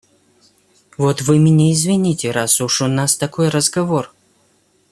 Вот Вы меня извините, раз уж у нас такой разговор.